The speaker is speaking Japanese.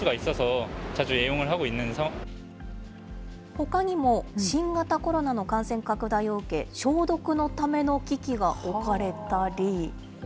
ほかにも新型コロナの感染拡大を受け、消毒のための機器が置かれたり。